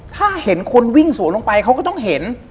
ถ้าเห็นคนวิ่งสวนลงไปเขาก็ต้องเห็น